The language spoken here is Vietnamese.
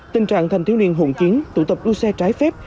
tình trạng thanh thiếu niên hộn chiến tụ tập đua xe trái phép